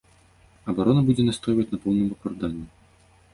Абарона будзе настойваць на поўным апраўданні.